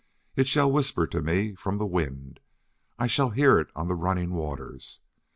It shall whisper to me from the wind. I shall hear it on running waters.